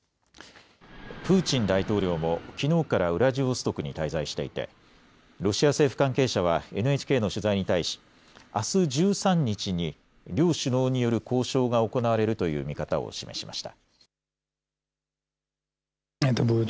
プーチン大統領もきのうからウラジオストクに滞在していてロシア政府関係者はＮＨＫの取材に対しあす１３日に両首脳による交渉が行われるという見方を示しました。